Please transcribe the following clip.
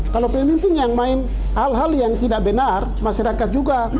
kalau pemimpin yang main hal hal yang tidak benar masyarakat juga